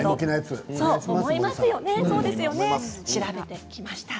そうですよね調べてきました。